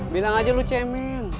bilang aja lu cemil